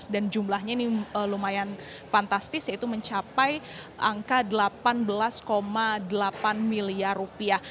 dan jumlahnya ini lumayan fantastis yaitu mencapai angka delapan belas delapan miliar rupiah